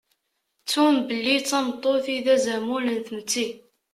Ttun belli d tameṭṭut i d azamul n tmetti.